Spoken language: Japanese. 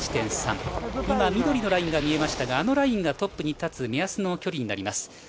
緑のラインが見えましたが、あのラインがトップに立つ目安の距離になります。